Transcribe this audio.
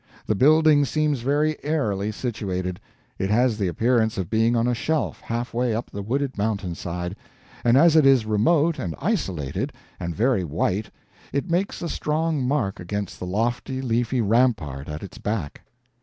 The building seems very airily situated. It has the appearance of being on a shelf half way up the wooded mountainside; and as it is remote and isolated, and very white, it makes a strong mark against the lofty leafy rampart at its back.